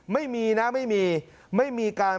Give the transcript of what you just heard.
ไม่มีนะไม่มีไม่มีการ